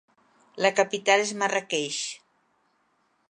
La capital és Marràqueix.